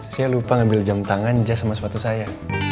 saya lupa ngambil jam tangan jazz sama sepatu saya